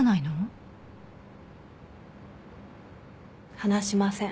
話しません。